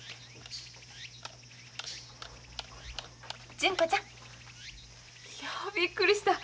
純子ちゃん。いやびっくりした。